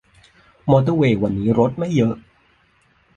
มอเตอร์เวย์วันนี้รถไม่เยอะ